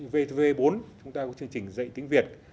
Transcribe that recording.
v bốn chúng ta có chương trình dạy tiếng việt